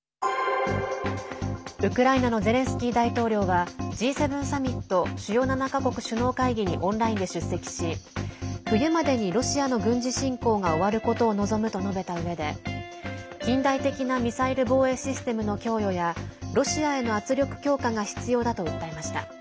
ウクライナのゼレンスキー大統領はＧ７サミット＝主要７か国首脳会議にオンラインで出席し冬までにロシアの軍事侵攻が終わることを望むと述べたうえで近代的なミサイル防衛システムの供与やロシアへの圧力強化が必要だと訴えました。